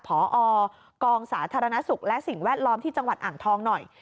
พอกองสาธารณสุขและสิ่งแวดล้อมที่จังหวัดอ่างทองหน่อย